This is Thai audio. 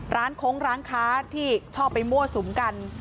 โค้งร้านค้าที่ชอบไปมั่วสุมกัน